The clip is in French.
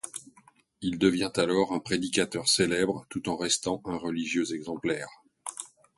Il devient alors un prédicateur célèbre tout en restant un religieux exemplaire.